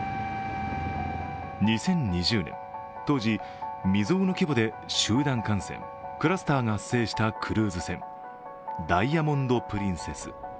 ２０２０年、当時、未曽有の規模で集団感染、クラスターが発生したクルーズ船「ダイヤモンド・プリンセス」。